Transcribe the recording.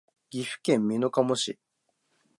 岐阜県美濃加茂市